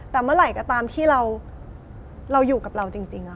แต่เมื่อไหร่ก็ตามที่เราอยู่กับเราจริง